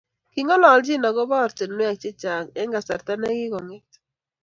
Ki ngololchi agobo oratinwek chechang eng kasarta nekikonget